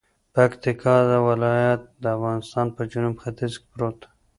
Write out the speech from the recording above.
پکتیکا ولایت دافغانستان په جنوب ختیځ کې پروت دی